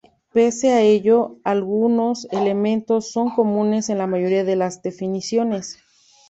Pese a ello, algunos elementos son comunes en la mayoría de las definiciones.